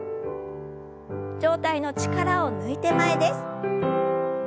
上体の力を抜いて前です。